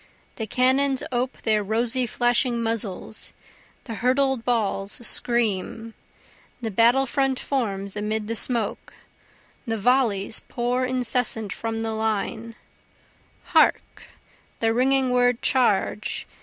The cannons ope their rosy flashing muzzles the hurtled balls scream, The battle front forms amid the smoke the volleys pour incessant from the line, Hark, the ringing word Charge!